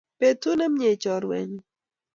Betut nemnyee chorwenyu